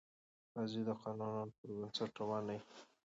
بازي د قانونونو پر بنسټ روانه يي.